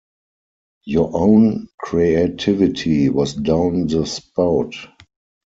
Your own creativity was down the spout.